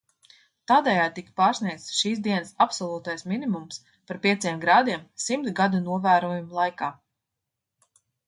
Tādējādi tika pārsniegts šīs dienas absolūtais minimums par pieciem grādiem simt gadu novērojumu laikā.